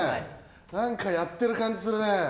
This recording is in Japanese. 何かやってる感じするねえ。